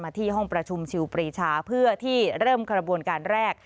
ที่ห้องประชุมชิวปรีชาเพื่อที่เริ่มกระบวนการแรก